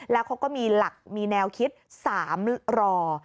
แล้วเขาก็มีแนวคิด๓รอ